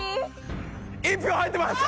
１票入ってます！